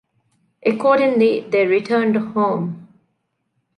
Accordingly, they returned home.